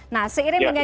nah seiring dengan